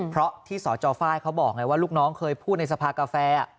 เพราะที่สจไฟล์เขาบอกไงว่าลูกน้องเคยพูดในสภากาแฟ